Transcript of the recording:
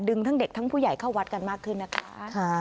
ทั้งเด็กทั้งผู้ใหญ่เข้าวัดกันมากขึ้นนะคะ